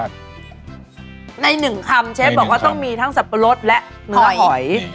ในหนึ่งคำเชฟบอกว่าต้องมีทั้งสับปะรดและเนื้อหอย